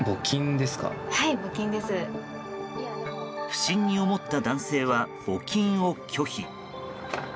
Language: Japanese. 不審に思った男性は募金を拒否。